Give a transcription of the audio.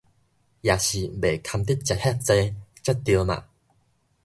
也是袂堪得食遐濟才著嘛